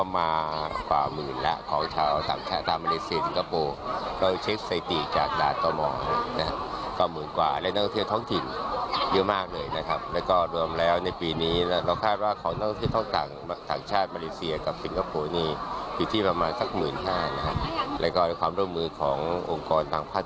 มันแน่นแสนมากนะครับ